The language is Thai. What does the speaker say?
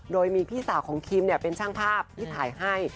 โดยมีพี่สาวของคิมเป็นช่างภาพที่ถ่ายให้